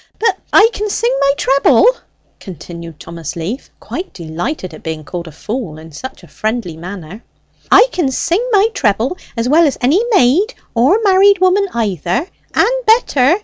"But I can sing my treble!" continued Thomas Leaf, quite delighted at being called a fool in such a friendly way; "I can sing my treble as well as any maid, or married woman either, and better!